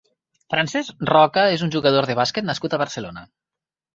Francesc Roca és un jugador de bàsquet nascut a Barcelona.